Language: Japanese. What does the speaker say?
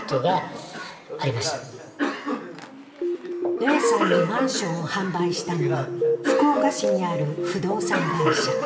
Ａさんにマンションを販売したのは福岡市にある不動産会社。